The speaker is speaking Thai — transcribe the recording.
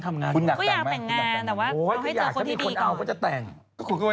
จริงคือ